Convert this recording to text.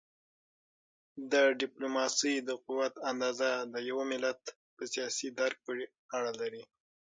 د ډیپلوماسی د قوت اندازه د یو ملت په سیاسي درک پورې اړه لري.